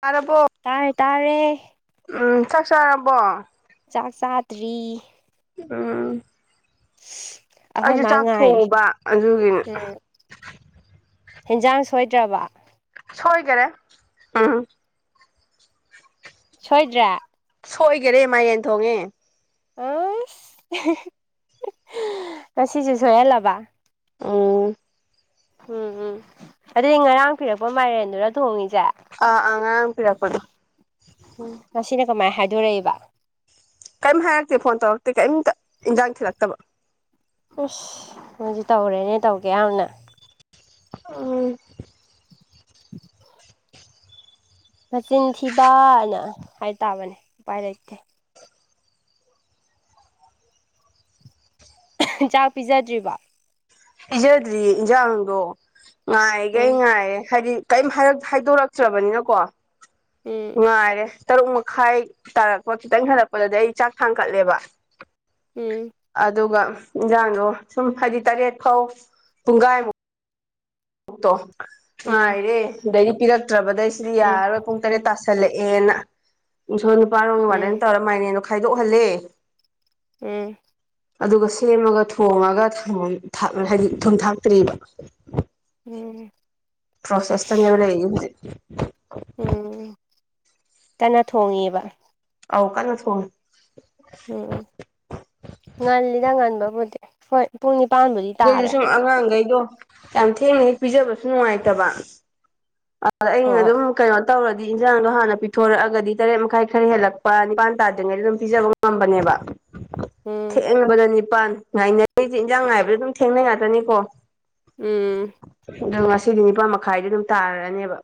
ꯇꯥꯔꯕꯣ ꯇꯥꯔꯦ ꯇꯥꯔꯦ ꯎꯝ ꯆꯥꯛ ꯆꯥꯔꯕꯣ ꯆꯥꯛ ꯆꯥꯗ꯭ꯔꯤ ꯎꯝ ꯑꯩꯈꯣꯏ ꯑꯩꯁꯨ ꯃꯥ ꯉꯥꯏꯔꯦ ꯆꯥꯛꯊꯣꯡꯎꯕ ꯑꯗꯨꯒꯤꯅꯦ ꯎꯝ ꯍꯦꯟꯖꯥꯡ ꯁꯣꯏꯗ꯭ꯔꯕ ꯁꯣꯏꯗꯔꯦ ꯎꯝ ꯁꯣꯏꯗ꯭ꯔꯦ ꯁꯣꯏꯈꯔꯦ ꯃꯌꯦꯟ ꯊꯣꯡꯉꯦ ꯑꯏ ꯉꯁꯤꯁꯨ ꯁꯣꯏꯍꯜꯂꯕ ꯑꯣ ꯎꯝ ꯑꯗꯨꯗꯤ ꯉꯔꯥꯡ ꯄꯤꯔꯛꯄ ꯃꯥꯏꯔꯦꯟꯗꯨꯔ ꯊꯣꯡꯉꯤꯁꯦ ꯑ ꯑ ꯉꯥꯔꯥꯡ ꯄꯤꯔꯛꯄꯗꯣ ꯎꯝ ꯉꯁꯤꯅ ꯀꯃꯥꯏꯅ ꯍꯥꯏꯗꯣꯔꯛꯏꯕ ꯀꯔꯤꯝ ꯍꯥꯏꯔꯛꯇꯦ ꯐꯣꯟ ꯇꯧꯔꯛꯇꯦ ꯀꯔꯤꯝꯇ ꯏꯟꯖꯥꯡ ꯊꯤꯂꯛꯇꯕ ꯏꯁ ꯅꯪꯁꯨ ꯇꯧꯔꯦꯅꯦ ꯇꯧꯒꯦ ꯌꯥꯎꯅ ꯑꯝ ꯅꯆꯤꯟ ꯊꯤꯕ ꯍꯥꯏ ꯍꯥꯏ ꯇꯥꯕꯅꯦ ꯎꯄꯥꯏ ꯂꯩꯇꯦ ꯆꯥꯛ ꯄꯤꯖꯗ꯭ꯔꯤꯕ ꯄꯤꯖꯗ꯭ꯔꯤꯌꯦ ꯏꯟꯁꯥꯡꯗꯣ ꯉꯥꯏꯈꯩ ꯎꯝ ꯉꯥꯏ ꯍꯥꯏꯗꯤ ꯀꯔꯤꯝ ꯍꯥꯏꯗꯣꯔꯛꯇ꯭ꯔꯕꯅꯤꯅꯀꯣ ꯎꯝ ꯉꯥꯏꯔꯦ ꯇꯔꯨꯛ ꯃꯈꯥꯏ ꯇꯥꯔꯛꯄ ꯈꯤꯇꯪ ꯍꯜꯂꯛꯄꯗꯗꯤ ꯑꯩ ꯆꯥꯛ ꯊꯥꯡꯈꯠꯂꯦꯕ ꯎꯝ ꯑꯗꯨꯒ ꯏꯟꯖꯥꯡꯗꯣ ꯁꯨꯝ ꯍꯥꯏꯗꯤ ꯇꯔꯦꯠ ꯐꯥꯎ ꯄꯨꯡꯈꯥꯏꯃꯨꯛ ꯗꯣ ꯎꯝ ꯉꯥꯏꯔꯦ ꯑꯗꯩ ꯄꯤꯔꯛꯇ꯭ꯔꯕꯗꯩ ꯁꯤꯗꯤ ꯎꯝ ꯌꯥꯔꯔꯣꯏ ꯄꯨꯡ ꯇꯔꯦꯠ ꯇꯥꯁꯜꯂꯛꯑꯦꯅ ꯁꯣꯝ ꯅꯨꯄꯥꯔꯣꯝꯒꯤ ꯋꯥꯔꯗꯦꯟꯠ ꯎꯝ ꯇꯧꯔꯒ ꯃꯥꯏꯔꯦꯟꯗꯣ ꯈꯥꯏꯗꯣꯛꯍꯜꯂꯦ ꯎꯝ ꯑꯗꯨꯒ ꯁꯦꯝꯃꯒ ꯊꯣꯉꯒ ꯊꯨꯝ ꯍꯥꯏꯗꯤ ꯊꯨꯝ ꯊꯥꯛꯇ꯭ꯔꯤꯕ ꯎꯝ ꯭ꯄꯔꯣꯁꯦꯁꯇ ꯅꯦꯕ ꯂꯩꯔꯥꯁꯦ ꯍꯧꯖꯤꯛ ꯎꯝ ꯀꯟꯅ ꯊꯣꯡꯉꯦꯕ ꯑꯧ ꯀꯟꯅ ꯊꯣꯡꯉꯤ ꯎꯝ ꯉꯜꯂꯤꯗ ꯉꯟꯕꯕꯨꯗꯤ ꯍꯣꯏ ꯄꯨꯡ ꯅꯤꯄꯥꯟꯕꯨꯗꯤ ꯑꯗꯨꯗꯩꯁꯨ ꯇꯥꯔꯦ ꯁꯨꯝ ꯑꯉꯥꯡꯈꯩꯗꯣ ꯌꯥꯝ ꯊꯦꯡꯅ ꯍꯦꯛ ꯄꯤꯖꯕꯁꯨ ꯅꯨꯡꯉꯥꯏꯇꯕ ꯑꯥꯗ ꯑꯩꯅ ꯍꯣꯏ ꯑꯗꯨꯝ ꯀꯩꯅꯣ ꯇꯧꯔꯗꯤ ꯏꯟꯖꯥꯡꯗꯣ ꯍꯥꯟꯅ ꯄꯤꯊꯣꯔꯛꯑꯗꯤ ꯇꯔꯦꯠ ꯃꯈꯥꯏ ꯈꯔ ꯍꯦꯜꯂꯛꯄ ꯅꯤꯄꯥꯟ ꯇꯥꯗ꯭ꯔꯤꯉꯩꯗ ꯑꯗꯨꯝ ꯄꯤꯖꯕ ꯉꯝꯕꯅꯦꯕ ꯎꯝ ꯊꯦꯡꯅꯕꯗ ꯅꯤꯞ ꯄꯥꯟ ꯉꯥꯏꯅꯕꯩꯗꯤ ꯏꯟꯖꯥꯡ ꯉꯥꯏꯕꯗ ꯑꯗꯨꯝ ꯊꯦꯡꯅ ꯉꯥꯛꯇꯅꯤꯀꯣ ꯎꯝ ꯑꯗꯣ ꯉꯁꯤꯗꯤ ꯅꯤꯄꯥꯥꯟ ꯃꯈꯥꯏꯗꯤ ꯑꯗꯨꯝ ꯇꯥꯔꯅꯦꯕ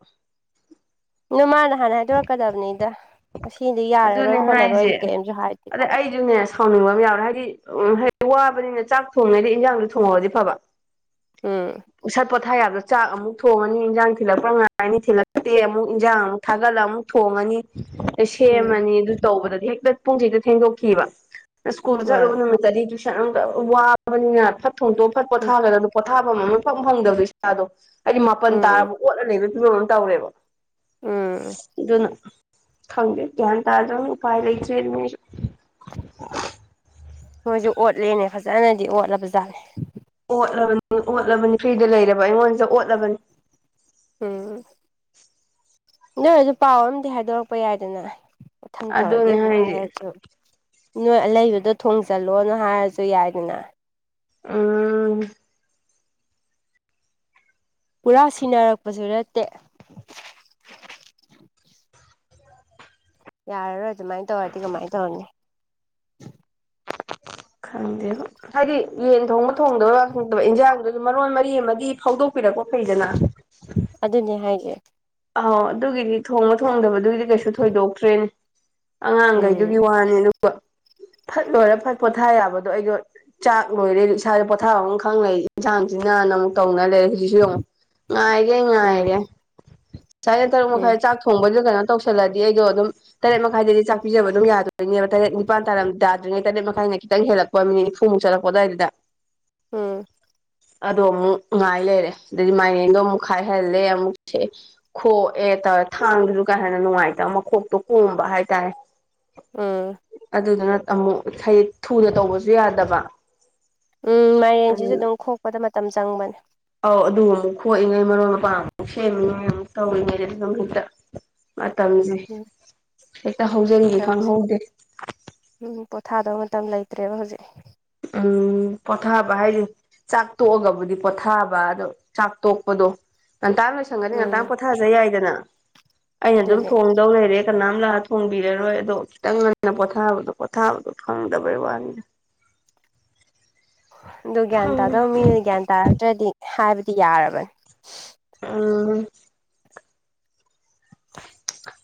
ꯑꯗꯨ ꯃꯥꯅ ꯍꯥꯟꯅ ꯍꯥꯏꯗꯣꯔꯛꯀꯥꯗꯕꯅꯤꯗ ꯉꯁꯤꯗꯤ ꯑꯗꯨꯅꯦ ꯌꯥꯔꯔꯣꯏ ꯈꯣꯠꯂꯔꯣꯏꯁꯨ ꯍꯥꯏꯁꯦ ꯀꯤꯝꯁꯨ ꯍꯥꯏꯗꯦ ꯑꯗꯩ ꯑꯩꯁꯨꯅꯦ ꯁꯥꯎꯅꯤꯡꯕ ꯑꯃꯥ ꯌꯥꯎꯔꯦ ꯍꯥꯏꯗꯤ ꯋꯥꯕꯅꯤꯅ ꯆꯥꯛ ꯊꯣꯡꯉꯤꯉꯩꯗ ꯏꯟꯖꯥꯡꯗꯣ ꯊꯣꯡꯍꯧꯔꯗꯤ ꯐꯥꯕ ꯎꯝ ꯏꯁꯥ ꯄꯣꯊꯥ ꯌꯥꯕꯗꯣ ꯆꯥꯛ ꯑꯃꯨꯛ ꯊꯣꯡꯉꯅꯤ ꯏꯟꯖꯥꯡ ꯊꯤꯜꯂꯛꯄ ꯉꯥꯏꯔꯅꯤ ꯊꯤꯜꯂꯛꯇꯦ ꯑꯃꯨꯛ ꯏꯟꯖꯥꯡ ꯑꯃꯨꯛ ꯊꯥꯒꯠꯂꯒ ꯑꯃꯨꯛ ꯊꯣꯡꯉꯅꯤ ꯎꯝ ꯁꯦꯝꯃꯅꯤ ꯑꯗꯨ ꯇꯧꯕꯗꯗꯤ ꯍꯦꯛꯇ ꯄꯨꯡꯁꯤ ꯍꯦꯛꯇ ꯊꯦꯡꯗꯣꯛꯈꯤꯕ ꯁ꯭ꯀꯨꯜ ꯆꯠꯂꯨꯕ ꯃꯥꯅꯦ ꯅꯨꯃꯤꯠꯇꯗꯤ ꯇꯨꯏꯁꯟ ꯑꯃꯨꯛ ꯇꯧ ꯋꯥꯕꯅꯤꯅ ꯐꯠ ꯊꯣꯡꯇꯣꯛ ꯐꯠ ꯎꯝ ꯄꯣꯊꯥꯒꯗꯕ ꯄꯣꯊꯥꯕꯝ ꯑꯃꯥ ꯏꯐꯪ ꯐꯪꯗꯕꯗꯨ ꯏꯁꯥꯗꯣ ꯍꯥꯏꯗꯤ ꯃꯥꯄꯜ ꯎꯝ ꯇꯥꯔꯕ ꯑꯣꯠꯂ ꯂꯩꯕ ꯐꯤꯕꯝ ꯑꯃ ꯇꯧꯔꯦꯕ ꯎꯝ ꯑꯗꯨꯅ ꯈꯪꯗꯦ ꯒ꯭ꯌꯥꯟ ꯇꯥꯗꯔ꯭ꯝꯅꯤꯅ ꯎꯄꯥꯏ ꯂꯩꯇ꯭ꯔꯦ ꯃꯤꯁꯨ ꯃꯣꯏꯁꯨ ꯑꯣꯠꯂꯦꯅꯦ ꯐꯥꯖꯅꯗꯤ ꯑꯣꯠꯂꯕ ꯖꯥꯠꯅꯦ ꯑꯣꯠꯂꯕꯅꯤ ꯑꯣꯠꯂꯕꯅꯤ ꯐ꯭ꯔꯤꯗ ꯂꯩꯔꯕ ꯑꯩꯉꯣꯟꯁꯤꯗ ꯑꯣꯠꯂꯕꯅꯤ ꯎꯝ ꯅꯣꯏ ꯑꯗꯨ ꯄꯥꯎ ꯑꯝꯗꯤ ꯍꯥꯏꯗꯣꯔꯛꯄ ꯌꯥꯏꯗꯅ ꯃꯊꯪ ꯑꯗꯨꯅꯦ ꯇꯧꯔꯒꯦꯕꯨ ꯍꯥꯏꯁꯦ ꯍꯥꯏꯔꯁꯨ ꯅꯣꯏ ꯑꯂꯩꯩꯗꯨꯗ ꯊꯣꯡꯖꯜꯂꯣꯅ ꯍꯥꯏꯔꯁꯨ ꯌꯥꯏꯗꯅ ꯑꯝ ꯄꯨꯔꯥ ꯁꯤꯟꯅꯔꯛꯄꯁꯨ ꯅꯠꯇꯦ ꯌꯥꯔꯔꯣꯏ ꯑꯗꯨꯃꯥꯏꯟ ꯇꯧꯔꯗꯤ ꯀꯃꯥꯏꯟ ꯇꯧꯅꯤ ꯈꯪꯗꯦꯕꯣ ꯍꯥꯏꯗꯤ ꯌꯦꯟ ꯊꯣꯡꯕ ꯊꯣꯡꯗꯕ ꯋꯥ ꯈꯪꯗꯕ ꯏꯟꯖꯥꯡꯗꯨꯁꯨ ꯃꯔꯣꯟ ꯃꯔꯤ ꯑꯃꯗꯤ ꯐꯥꯎꯗꯣꯛꯄꯤꯔꯛꯄ ꯐꯩꯗꯅ ꯑꯗꯨꯅꯦ ꯍꯥꯏꯁꯦ ꯑꯧ ꯑꯗꯨꯒꯤꯗꯤ ꯊꯣꯡꯕ ꯊꯣꯡꯗꯕꯗꯨꯒꯤꯗꯤ ꯀꯩꯁꯨ ꯊꯣꯏꯗꯣꯛꯇ꯭ꯔꯦꯅꯦ ꯎꯝ ꯑꯉꯥꯡꯒꯩꯗꯨꯒꯤ ꯋꯥꯅꯤ ꯑꯗꯨꯒ ꯐꯠ ꯂꯣꯏꯔ ꯐꯠ ꯄꯣꯊꯥ ꯌꯥꯕꯗꯣ ꯑꯩꯗꯣ ꯆꯥꯛ ꯂꯣꯏꯔꯦ ꯏꯁꯥꯥꯁꯦ ꯄꯣꯊꯥꯕ ꯑꯃꯈꯪ ꯂꯩ ꯏꯟꯁꯥꯡꯁꯤꯅ ꯑꯃꯨꯛ ꯇꯧꯅ ꯂꯩ ꯍꯧꯖꯤꯛ ꯉꯥꯏꯒꯩ ꯉꯥꯏꯔꯦ ꯎꯝ ꯉꯁꯥꯏꯗꯩ ꯇꯔꯨꯛ ꯎꯝ ꯃꯈꯥꯏ ꯆꯥꯛ ꯊꯣꯡꯕꯗꯨ ꯀꯩꯅꯣ ꯇꯧꯁꯜꯂꯗꯤ ꯑꯩꯗꯣ ꯑꯗꯨꯝ ꯇꯔꯦꯠ ꯃꯈꯥꯏꯗꯗꯤ ꯆꯥꯛꯄꯤꯖꯕ ꯑꯗꯨꯝ ꯌꯥꯗꯣꯏꯅꯦ ꯇꯦꯠ ꯅꯤꯄꯥꯟ ꯇꯥꯔꯝ ꯇꯥꯗ꯭ꯔꯤꯉꯩ ꯇꯔꯦꯠ ꯃꯈꯥꯏꯅ ꯈꯤꯇꯪ ꯍꯦꯜꯂꯛꯄ ꯄꯥ ꯃꯤꯠꯅꯤꯠ ꯅꯤꯐꯨꯃꯨꯛ ꯆꯠꯂꯛꯄ ꯑꯗꯨꯋꯥꯏꯗꯨꯗ ꯎꯝ ꯑꯗꯣ ꯑꯃꯨꯛ ꯉꯥꯏ ꯂꯩꯔꯦ ꯑꯗꯩꯗꯤ ꯃꯥꯏꯔꯦꯟꯗꯣ ꯑꯃꯨꯛ ꯈꯥꯏꯍꯜꯂꯦ ꯑꯃꯨꯛ ꯊꯡꯦ ꯈꯣꯛꯑꯦ ꯇꯧꯔꯦ ꯊꯥꯡꯗꯨꯁꯨ ꯀꯥ ꯍꯦꯟꯅ ꯅꯨꯡꯉꯥꯏꯇꯕ ꯃꯈꯣꯛꯇꯣ ꯀꯣꯝꯕ ꯍꯥꯏꯇꯥꯔꯦ ꯎꯝ ꯑꯗꯨꯗꯨꯅ ꯑꯃꯨꯛ ꯍꯥꯏꯗꯤ ꯊꯨꯅ ꯇꯧꯕꯁꯨ ꯌꯥꯗꯕ ꯎꯝ ꯑꯗꯨ ꯃꯥꯏꯔꯦꯟꯁꯤꯁꯨ ꯑꯗꯨꯝ ꯈꯣꯛꯄꯗ ꯃꯇꯝ ꯆꯪꯕꯅꯦ ꯑꯧ ꯑꯗꯨ ꯑꯃꯨꯛ ꯈꯣꯏꯉꯩ ꯃꯔꯣꯏ ꯃꯄꯥꯡ ꯑꯃꯨꯛ ꯁꯦꯝꯃꯤꯉꯩ ꯑꯃꯨꯛ ꯇꯧꯔꯤꯉꯩꯗ ꯑꯗꯨꯝ ꯍꯦꯛꯇ ꯃꯇꯝꯁꯤ ꯎꯝ ꯍꯦꯛꯇ ꯍꯧꯖꯟꯈꯤ ꯃꯇꯝꯁꯦ ꯈꯪꯍꯧꯗꯦ ꯎꯝ ꯄꯣꯊꯥꯗꯧ ꯃꯇꯝ ꯂꯩꯇ꯭ꯔꯦꯕ ꯍꯧꯖꯤꯛ ꯎꯝ ꯄꫭꯊꯥꯕ ꯍꯥꯏꯁꯦ ꯆꯥꯛ ꯇꯣꯛꯑꯒꯕꯨꯗꯤ ꯄꯣꯊꯥꯕ ꯑꯗꯣ ꯆꯥꯛ ꯇꯣꯛꯄꯗꯣ ꯉꯟꯇꯥꯅ ꯂꯣꯏꯁꯟꯒꯗꯤ ꯉꯟꯇꯥ ꯎꯝ ꯄꯣꯊꯥꯖꯩ ꯌꯥꯏꯗꯅ ꯑꯩꯅ ꯑꯗꯨꯝ ꯑꯗꯨꯅꯦ ꯊꯣꯡꯗꯧ ꯂꯩꯔꯦ꯫ ꯀꯅꯥꯝ ꯂꯥꯛꯑ ꯊꯣꯡꯕꯤꯔꯔꯣꯏ ꯑꯗꯣ ꯈꯤꯇꯪ ꯉꯟꯅ ꯄꯣꯊꯥꯕꯗꯣ ꯄꯣꯊꯥꯕꯗꯣ ꯐꯪꯗꯕꯩ ꯋꯥꯅꯤꯗ꯫ ꯑꯗꯨ ꯒ꯭ꯤꯌꯥꯟ ꯎꯝ ꯇꯥꯗꯧ ꯃꯤꯅ ꯒ꯭ꯤꯌꯥꯟ ꯇꯥꯔꯛꯇ꯭ꯥꯔꯗꯤ ꯍꯥꯏꯕꯗꯤ ꯌꯥꯔꯕꯅꯤ꯫ ꯎꯝ꯫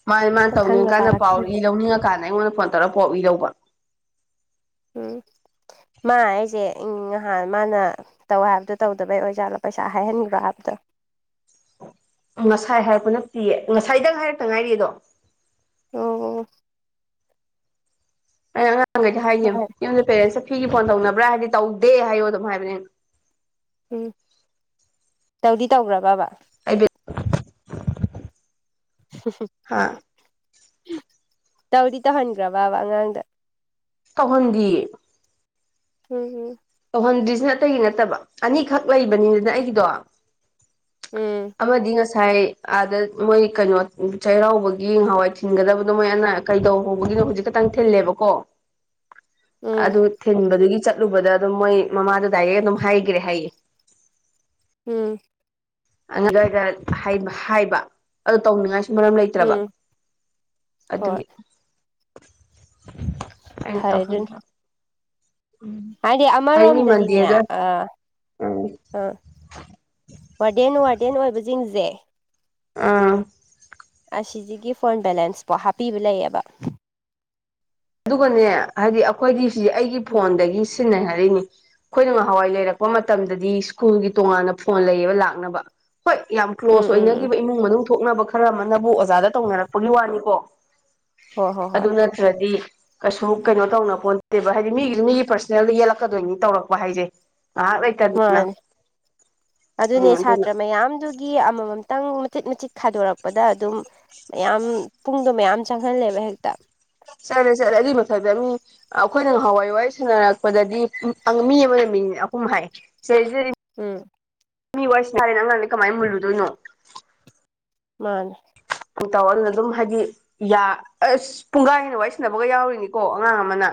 ꯃꯥꯅꯦ ꯃꯥꯅ ꯃꯊꯪꯒ ꯇꯧꯅꯤꯡꯉꯀꯥꯟꯗ ꯄꯥꯎ ꯇꯥꯔꯛꯇ꯭ꯔꯗꯤ ꯏ ꯂꯧꯅꯤꯡꯉꯀꯥꯟꯗ ꯑꯩꯉꯣꯟꯗ ꯐꯣꯟ ꯇꯧꯔꯒ ꯄꯥꯎ ꯏ ꯂꯧꯕ꯫ ꯎꯝ ꯃꯥ ꯑꯩꯁꯦ ꯉꯍꯥꯟ ꯃꯥꯅ ꯇꯧ ꯍꯥꯏꯕꯗꯣ ꯇꯧꯗꯕꯩ ꯑꯣꯏꯖꯥꯠꯂꯣ ꯄꯩꯁꯥ ꯍꯥꯏꯍꯟꯕ꯭ꯔꯥ ꯍꯥꯏꯕꯗꯣ ꯉꯁꯥꯏ ꯍꯥꯏꯔꯛꯄ ꯅꯠꯇꯦꯌꯦ ꯉꯁꯥꯏꯗꯪ ꯍꯥꯏꯔꯛꯇ ꯉꯥꯏꯔꯤꯗꯣ ꯑꯣ ꯑꯣ ꯑꯩꯅ ꯑꯉꯥꯡꯈꯩꯗ ꯍꯥꯏꯈꯤꯝ ꯍꯣꯏ ꯌꯨꯝꯗ ꯄꯦꯔꯦꯟꯁꯇ ꯐꯤꯒꯤ ꯐꯣꯟ ꯇꯧꯅꯕ꯭ꯔꯥ ꯍꯥꯏꯗꯤ ꯇꯧꯗꯦ ꯍꯥꯏꯌꯣ ꯑꯗꯨꯝ ꯍꯥꯏꯕꯅꯦ ꯑꯩꯅꯥ ꯎꯝ ꯇꯧꯗꯤ ꯇꯧꯈ꯭ꯔꯕꯕ [inaudible] ꯍꯨꯝ [unintelligible] ꯍꯥꯥ ꯇꯧꯗꯤ ꯇꯧꯍꯟꯈ꯭ꯔꯕꯕ ꯑꯉꯥꯡꯗ ꯇꯧꯍꯟꯗꯤꯌꯦ ꯍꯝ ꯍꯝ ꯇꯧꯍꯟꯗ꯭ꯔꯤꯁꯤꯅ ꯑꯇꯩꯒꯤ ꯅꯠꯇꯕ ꯑꯅꯤꯈꯛ ꯂꯩꯕꯅꯤꯗꯅ ꯑꯩꯒꯤꯗꯣ ꯎꯝ ꯎꯝ ꯑꯃꯥꯗꯤ ꯉꯥ ꯉꯁꯥꯏ ꯑꯥꯗ ꯃꯣꯏ ꯀꯩꯅꯣ ꯆꯩꯔꯥꯎꯕꯒꯤ ꯍꯋꯥꯏ ꯊꯤꯟꯒꯗꯕꯗꯣ ꯃꯣꯏ ꯑꯅꯥ ꯀꯩꯗꯧ ꯍꯧꯕꯒꯤꯅꯣ ꯍꯧꯖꯤꯛ ꯈꯛꯇꯪ ꯊꯤꯜꯂꯦꯕꯀꯣ ꯎꯝ ꯑꯗꯨ ꯊꯤꯟꯕꯗꯨꯒꯤ ꯆꯠꯂꯨꯕꯗ ꯑꯗꯨꯝ ꯃꯣꯏ ꯃꯃꯥꯗ ꯗꯥꯏꯔꯦꯛ ꯑꯗꯨꯝ ꯍꯥꯏꯈ꯭ꯔꯦ ꯍꯥꯏꯌꯦ ꯎꯝ꯫ ꯑꯗꯨꯏꯗ ꯍꯥꯏꯕ ꯍꯥꯏꯕ ꯑꯗꯨ ꯇꯧꯅꯤꯡꯉꯥꯏꯁꯨ ꯃꯔꯝ ꯂꯩꯇ꯭ꯔꯕ ꯎꯝ ꯍꯣꯏ ꯑꯗꯨꯅꯤ ꯑꯩꯅ ꯐꯔꯦ ꯑꯗꯨꯅ ꯇꯧꯍꯥꯟꯗ꯭ꯔꯣ ꯍꯥꯏꯗꯤ ꯃꯤ ꯑꯃꯔꯣꯝꯗꯗꯤꯅꯦ ꯃꯟꯗꯦꯗ ꯑꯥ ꯎꯝ ꯑꯥ ꯋꯥꯔꯗꯦꯟ ꯋꯥꯔꯗꯦꯟ ꯑꯣꯏꯕꯁꯤꯡꯁꯦ ꯑꯥ ꯑꯁꯤꯁꯤꯒꯤ ꯐꯣꯟ ꯕꯦꯂꯦꯟꯁꯄꯣ ꯍꯥꯞꯄꯤꯕ ꯂꯩꯌꯦꯕ ꯑꯗꯨꯒꯅꯦ ꯍꯥꯏꯗꯤ ꯑꯩꯈꯣꯏꯗꯤ ꯁꯤꯗꯤ ꯑꯩꯒꯤ ꯎꯝ ꯐꯣꯟꯗꯒꯤ ꯁꯤꯟꯅꯩ ꯍꯥꯏꯔꯛꯏꯅꯤ ꯑꯩꯈꯣꯏꯅ ꯉꯍꯥꯟꯋꯥꯏ ꯂꯩꯔꯛꯄ ꯃꯇꯝꯗꯗꯤ ꯁ꯭ꯀꯨꯜꯒꯤ ꯇꯣꯉꯥꯟꯅ ꯐꯣꯟ ꯂꯩꯌꯦꯕ ꯂꯥꯛꯅꯕ ꯍꯣꯏ ꯌꯥꯝ ꯎꯝ ꯀ꯭ꯂꯣꯁ ꯎꯝ ꯎꯝ ꯑꯣꯏꯅꯈꯤꯕ ꯏꯃꯨꯡ ꯃꯅꯨꯡ ꯊꯣꯛꯅꯕ ꯈꯔ ꯑꯃꯅꯕꯨ ꯑꯣꯖꯥꯗ ꯇꯧꯅꯔꯛꯄꯒꯤ ꯋꯥꯅꯤꯀꯣ ꯍꯣꯏ ꯍꯣꯏ ꯍꯣꯏ ꯑꯗꯨ ꯅꯠꯇ꯭ꯔꯗꯤ꯫ ꯀꯩꯁꯨ ꯀꯩꯅꯣ ꯇꯧꯅ ꯄꫭꯟꯇꯦꯕ ꯍꯥꯏꯗꯤ ꯃꯤꯒꯤꯁꯨ ꯃꯤꯒꯤ ꯄ꯭ꯔꯁꯅꯦꯜꯗ ꯌꯦꯜꯂꯛꯀꯗꯣꯏꯅꯤ ꯇꯧꯔꯛꯄ ꯍꯥꯏꯁꯦ ꯉꯍꯥꯛꯂꯩ ꯃꯥꯅꯦ ꯑꯗꯨꯅꯦ ꯎꯝ ꯑꯗꯨꯅ ꯁꯥꯇ꯭ꯔ ꯃꯌꯥꯝꯗꯨ ꯒꯤ ꯑꯃꯃꯝꯇꯪ ꯃꯆꯤꯠ ꯃꯆꯤꯠ ꯈꯥꯏꯗꯣꯔꯛꯄꯗ ꯑꯗꯨꯝ ꯃꯌꯥꯝ ꯄꯨꯡꯗꯣ ꯃꯌꯥꯝ ꯆꯪꯍꯜꯂꯦꯕ ꯍꯦꯛꯇ ꯆꯠꯂꯦ ꯆꯠꯂꯦ ꯑꯗꯨꯏ ꯃꯊꯥꯛꯇ ꯃꯤ ꯑꯩꯈꯣꯏꯅ ꯉꯍꯥꯟꯋꯥꯏ ꯋꯥꯔꯤ ꯁꯥꯟꯅꯔꯛꯄꯗꯗꯤ ꯎꯝ ꯑꯪ ꯃꯤ ꯑꯃꯥꯅ ꯃꯤꯅꯤꯠ ꯑꯍꯨꯝ ꯍꯥꯏ ꯁꯤꯗꯩꯁꯤꯗꯗꯤ ꯎꯝ꯫ ꯃꯤ ꯋꯥꯔꯤ ꯁꯥꯅꯔꯦꯅ ꯑꯉꯥꯡꯗꯥꯏ ꯀꯃꯥꯏ ꯃꯨꯜꯂꯨꯗꯣꯏꯅꯣ ꯃꯥꯅꯦ ꯇꯧꯅ ꯑꯗꯨꯝ ꯍꯥꯏꯗꯤ ꯌꯥ ꯑꯁ ꯄꯨꯡ ꯀꯥꯏ ꯍꯦꯟꯅ ꯋꯥꯏ ꯁꯤꯟꯅꯕꯒ ꯌꯥꯎꯔꯤꯅꯤꯀꯣ ꯑꯉꯥꯡ ꯑꯃꯅ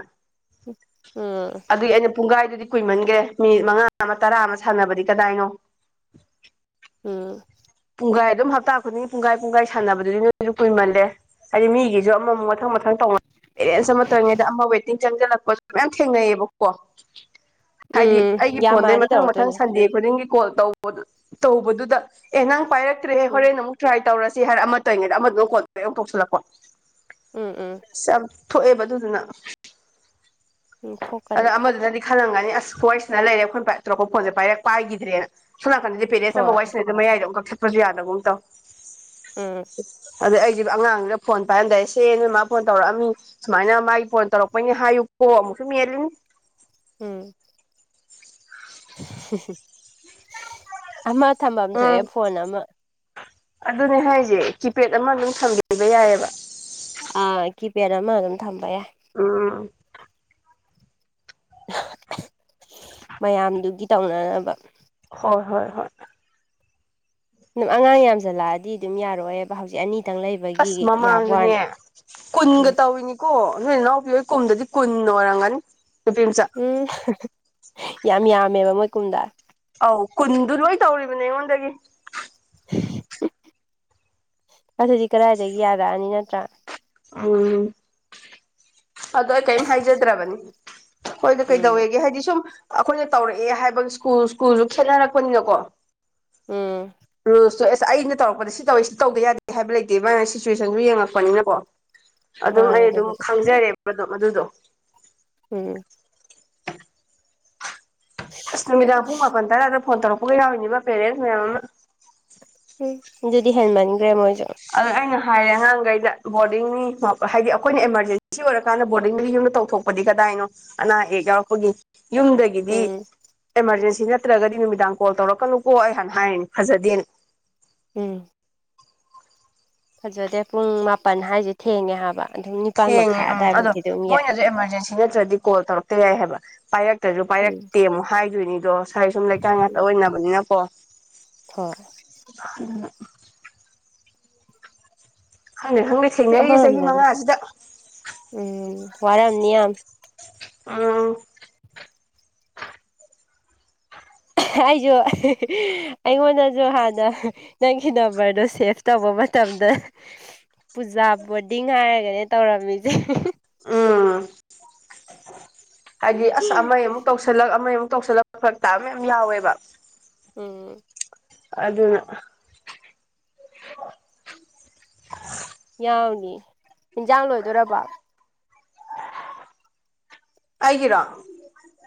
ꯎꯝ ꯑꯗꯨꯏ ꯑꯩꯅ ꯄꯨꯡꯈꯥꯏꯗꯨꯗꯤ ꯀꯨꯏꯃꯟꯈ꯭ꯔꯦ ꯃꯤꯅꯤꯠ ꯃꯉꯥ ꯑꯃ ꯇꯔꯥ ꯑꯃ ꯁꯥꯟꯅꯕꯗꯤ ꯀꯗꯥꯏꯅꯣ ꯎꯝ ꯄꯨꯡꯈꯥꯏ ꯑꯗꯨꯝ ꯍꯞꯇꯥ ꯈꯨꯗꯤꯡꯒꯤ ꯄꯨꯡꯈꯥꯏ ꯄꯨꯡꯈꯥꯏ ꯁꯥꯟꯅꯕꯗꯨꯗꯤ ꯅꯣꯏꯁꯨ ꯀꯨꯏꯃꯜꯂꯦ ꯍꯥꯏꯗꯤ ꯃꯤꯒꯤꯁꯨ ꯑꯃꯃꯨꯛ ꯃꯊꯪ ꯃꯊꯪ ꯇꯧꯅ ꯄꯦꯔꯦꯟꯁ ꯑꯃꯠꯇꯔꯤꯉꯩꯗ ꯑꯃ ꯋꯦꯇꯤꯡ ꯆꯪꯁꯤꯜꯂꯛꯄꯁꯨ ꯃꯌꯥꯝ ꯊꯦꯡꯅꯩꯌꯦꯕꯀꯣ ꯍꯥꯏꯗꯤ ꯎꯝ ꯑꯩꯒꯤ ꯐꯣꯟꯗꯩ ꯌꯥꯝꯃꯛꯑꯗꯤ ꯃꯊꯪ ꯃꯊꯪ ꯇꯧꯔꯛꯇꯣꯏꯅꯦ ꯁꯟꯗꯦ ꯈꯨꯗꯤꯡꯒꯤ ꯀꯣꯜ ꯇꯧꯕꯥꯗꯨ ꯇꯧꯕꯗꯨꯗ ꯑꯦ ꯅꯪ ꯄꯥꯏꯔꯛꯇ꯭ꯔꯦꯍꯦ ꯎꯝ ꯍꯣꯔꯦꯟ ꯑꯃꯨꯛ ꯇ꯭ꯔꯥꯏ ꯇꯧꯔꯁꯤ ꯍꯥꯏꯔ ꯑꯃꯠꯇ ꯑꯣꯏꯔꯤꯉꯩꯗ ꯑꯃꯗꯨ ꯀꯣꯟ ꯑꯃꯨꯛ ꯇꯣꯛꯁꯤꯜꯂꯛꯄ ꯎꯝ ꯎꯝ ꯑꯁ ꯌꯥꯝ ꯊꯣꯛꯑꯦꯕ ꯑꯗꯨꯗꯨꯅ ꯎꯊꯣꯛ ꯑꯗꯣ ꯑꯃꯗꯨꯅꯗꯤ ꯈꯜꯂꯝꯒꯅꯤ ꯑꯁ ꯍꯣꯏꯁꯤꯗ ꯂꯩꯔꯦ ꯑꯩꯈꯣꯏ ꯄꯥꯏ ꯇꯧꯛꯄ ꯐꯣꯟꯁꯦ ꯄꯥꯏꯔꯦ ꯄꯥꯏꯈꯤꯗ꯭ꯔꯦꯅ ꯁꯣꯝ ꯅꯥꯀꯟꯗꯗꯤ ꯄꯦꯔꯦꯟꯁ ꯑꯃ ꯍꯣꯏ ꯋꯥꯏꯁꯟꯗ ꯃꯌꯥꯏꯗ ꯑꯃꯨꯛ ꯀꯛꯊꯛꯄꯁꯨ ꯌꯥꯗꯅꯕꯨꯝ ꯇꯧ ꯎꯝ ꯑꯗ ꯑꯩꯒꯤ ꯑꯉꯥꯡꯗꯨꯅ ꯐꯣꯟ ꯄꯥꯏꯍꯟꯗꯥꯔꯦ ꯁꯦ ꯅꯣꯏ ꯃꯥ ꯐꯣꯟ ꯇꯧꯔꯛꯑꯝꯃꯤ ꯁꯨꯃꯥꯏꯅ ꯃꯥꯏ ꯐꯣꯟ ꯇꯧꯔꯛꯄꯩꯅꯦ ꯍꯥꯏꯌꯨꯀꯣ ꯑꯃꯨꯛꯁꯨ ꯃꯦꯜꯂꯤꯅꯤ ꯎꯝ ꯑꯃ ꯊꯝꯐꯝ ꯎꯝ ꯊꯣꯛꯑꯦ ꯐꯣꯟ ꯑꯃ ꯑꯗꯨꯅꯦ ꯍꯥꯏꯁꯦ ꯀꯤꯄꯦꯗ ꯑꯃ ꯑꯗꯨꯝ ꯊꯝꯕꯤꯕ ꯌꯥꯏꯑꯦꯕ ꯑꯥ ꯀꯤꯄꯦꯔ ꯑꯃ ꯑꯗꯨꯝ ꯊꯝꯕ ꯌꯥ ꯎꯝ ꯃꯌꯥꯝꯗꯨꯒꯤ ꯇꯧꯅꯅꯕ ꯍꯣꯏ ꯍꯣꯏ ꯍꯣꯏ ꯑꯗꯨꯝ ꯑꯉꯥꯡ ꯌꯥꯝꯁꯜꯂꯛꯑꯗꯤ ꯑꯗꯨꯝ ꯌꯥꯔꯣꯏꯕ ꯍꯧꯖꯤꯛ ꯑꯅꯤꯇꯪ ꯂꯩꯕ ꯑꯁ ꯃꯃꯥꯡꯗꯅꯦ ꯀꯨꯟꯒ ꯎꯝ ꯇꯧꯔꯤꯅꯤ ꯀꯣ ꯅꯣꯏ ꯏꯅꯥꯎꯄꯤꯑꯣꯏ ꯀꯨꯝꯗꯗꯤ ꯀꯨꯟꯅ ꯑꯣꯏꯔꯝꯒꯅꯤ ꯅꯨꯄꯤ ꯃꯆꯥ ꯎꯝ ꯌꯥꯝ ꯌꯥꯝꯃꯦꯕ ꯃꯣꯏ ꯀꯨꯝꯗ ꯑꯧ ꯀꯨꯟꯗꯨ ꯂꯣꯏ ꯇꯧꯔꯤꯕꯅꯦ ꯑꯩꯉꯣꯟꯗꯒꯤ [inaudible] ꯑꯗꯨꯗꯤ ꯀꯗꯥꯏꯗꯒꯤ ꯌꯥꯔꯛꯑꯅꯤ ꯅꯠꯇ꯭ꯔꯥ ꯎꯝ ꯑꯗꯣ ꯑꯩ ꯀꯔꯤꯝ ꯍꯥꯏꯖꯗ꯭ꯔꯕꯅꯤ ꯍꯣꯏꯗ ꯎꯝ ꯀꯩꯗꯧꯋꯦꯒꯦ ꯍꯥꯏꯗꯤ ꯁꯨꯝ ꯑꯩꯈꯣꯏꯅ ꯇꯧꯔꯛꯑꯦ ꯍꯥꯏꯕꯒꯤ ꯁ꯭ꯀꯨꯜ ꯁ꯭ꯀꯨꯜꯁꯨ ꯈꯦꯠꯅꯔꯛꯄꯅꯤꯅꯀꯣ ꯎꯝ ꯔꯨꯁ ꯇꯣ ꯑꯦꯁ ꯑꯩꯅ ꯇꯧꯔꯛꯄꯗ ꯁꯤ ꯇꯧꯋ ꯁꯤ ꯇꯧꯗ ꯌꯥꯗꯦ ꯍꯥꯏꯕ ꯂꯩꯇꯦ ꯃꯅ ꯁꯤꯆꯨꯋꯦꯁꯟꯗꯨ ꯌꯦꯡꯉꯛꯄꯅꯤꯅꯀꯣ ꯑꯗꯨꯝ ꯃꯥꯅꯦ ꯑꯩ ꯑꯗꯨꯝ ꯑꯗꯨꯕꯨꯗꯤ ꯈꯪꯖꯔꯦꯕ ꯑꯗꯨꯝ ꯑꯗꯨꯗꯣ ꯎꯝ ꯑꯁ ꯅꯨꯃꯤꯗꯥꯡ ꯄꯨꯡ ꯃꯥꯄꯟ ꯇꯔꯥꯗ ꯐꯣꯟ ꯇꯧꯔꯛꯄꯒ ꯌꯥꯎꯔꯤꯅꯤꯕ ꯄꯦꯔꯦꯟꯁ ꯃꯌꯥꯝ ꯑꯃ ꯎꯝ ꯑꯗꯨꯗꯤ ꯍꯦꯟ ꯃꯟꯈ꯭ꯔꯦ ꯃꯣꯏꯁꯨ ꯑ ꯑꯩꯅ ꯍꯥꯏꯔꯦ ꯑꯉꯥꯡꯈꯩꯗ ꯕꯣꯔꯗꯤꯡꯅꯤ ꯍꯥꯏꯗꯤ ꯑꯩꯈꯣꯏꯅ ꯑꯦꯃꯥꯔꯖꯦꯟꯁꯤ ꯑꯣꯏꯔꯀꯥꯟꯗ ꯕꯣꯔꯗꯤꯡꯗ ꯌꯨꯝꯗ ꯇꯧꯊꯣꯛ ꯄꯗꯤ ꯀꯗꯥꯏꯅꯣ ꯑꯅꯥ ꯑꯌꯦꯛ ꯌꯥꯎꯔꯛꯄꯒꯤ ꯌꯨꯝꯗꯒꯤ ꯗꯤ ꯎꯝ ꯑꯦꯃꯥꯔꯖꯦꯟꯁꯤ ꯅꯠꯇ꯭ꯔꯒꯗꯤ ꯅꯨꯃꯤꯗꯥꯡ ꯀꯣꯜ ꯇꯧꯔꯛꯀꯅꯨꯀꯣ ꯑꯩ ꯍꯥꯟꯅ ꯍꯥꯏꯔꯤꯅꯤ ꯐꯖꯗꯦꯅ ꯎꯝ ꯐꯖꯗꯦ ꯄꯨꯡ ꯃꯥꯄꯟ ꯍꯥꯏꯁꯦ ꯊꯦꯡꯉꯦ ꯍꯥꯏꯕ ꯑꯗꯨꯝ ꯅꯤꯄꯥꯟ ꯊꯦꯡꯉꯦ ꯃꯈꯥꯏ ꯎꯡ ꯑꯗꯣ ꯑꯗꯥꯏꯐꯥꯎꯗꯤ ꯑꯗꯨꯝ ꯌꯥꯏ ꯃꯣꯏꯅꯁꯨ ꯑꯦꯃꯥꯔꯖꯦꯟꯁꯤ ꯅꯠꯇ꯭ꯔꯗꯤ ꯀꯣꯜ ꯇꯧꯔꯛꯇ ꯌꯥꯏ ꯍꯥꯏꯕ ꯄꯥꯏꯔꯛꯇ꯭ꯔꯁꯨ ꯎꯝ ꯄꯥꯏꯔꯛꯇꯦ ꯑꯃꯨꯛ ꯍꯥꯏꯗꯣꯏꯅꯤꯗꯣ ꯁꯥꯏꯗ ꯁꯨꯝ ꯂꯩꯀꯥꯏ ꯉꯥꯛꯇ ꯎꯝ ꯑꯣꯏꯅꯕꯅꯤꯅꯀꯣ ꯍꯣꯏ ꯈꯡꯗꯦ ꯈꯡꯗꯦ ꯑꯩꯈꯣꯏꯔꯣꯝꯗꯩꯅꯦ ꯑꯝ ꯋꯥꯔꯝꯅꯤ ꯌꯥꯝ ꯑꯝ ꯑꯩꯖꯨ ꯑꯩꯉꯣꯟꯗꯖꯨ ꯍꯥꯟꯅ ꯅꯪꯒꯤ ꯅꯝꯕꯔꯗꯣ ꯁꯦꯚ ꯇꯧꯕ ꯃꯇꯝꯗ ꯄꯨꯖꯥ ꯕꯣꯔꯗꯤꯡ ꯍꯥꯏꯔꯒꯅꯦ ꯇꯧꯔꯝꯃꯤꯖꯦ ꯑꯝ ꯍꯥꯏꯗꯤ ꯑꯁ ꯑꯃꯩ ꯑꯃꯨꯛ ꯇꯧꯁꯜꯂꯛ ꯑꯃꯩ ꯑꯃꯨꯛ ꯇꯧꯁꯜꯂꯛ ꯐꯔꯛ ꯇꯥꯕ ꯃꯌꯥꯝ ꯌꯥꯎꯋꯦꯕ ꯑꯝ ꯑꯗꯨꯅꯥ ꯌꯥꯎꯅꯤ ꯑꯦꯟꯖꯥꯡ ꯂꯣꯏꯗꯣꯏꯔꯕꯣ ꯑꯩꯒꯤꯔꯣ